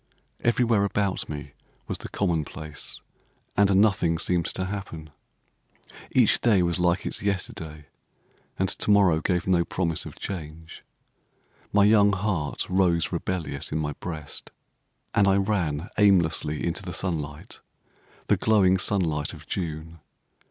Everywhere about me was the commonplace; and nothing seemed to happen. Each day was like its yesterday, and to morrow gave no promise of change. My young heart rose rebellious in my breast; and I ran aimlessly into the sunlight—the glowing sunlight of June.